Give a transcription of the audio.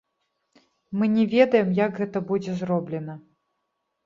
Мы не ведаем, як гэта будзе зроблена.